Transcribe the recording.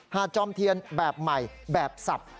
จอมเทียนแบบใหม่แบบสับ